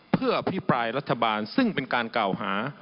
เพื่ออภิปรายรัฐบาลซึ่งเป็นการกล่าวหา